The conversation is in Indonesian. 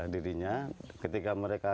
dirinya ketika mereka